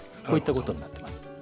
こういったことになっています。